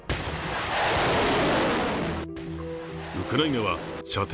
ウクライナは射程